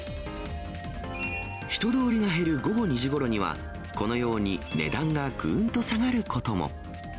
人通りが減る午後２時ごろには、このように値段がぐんと下がることも。